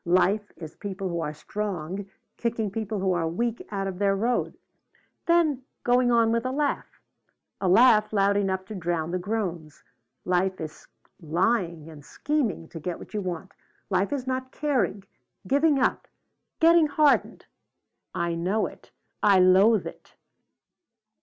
Life is people who are strong kicking people who are weak out of their road then going on with a laugh a laugh loud enough to drown the groans. Life is lying and scheming to get what you want. Life is not caring giving up getting hardened I know it. I loathe it."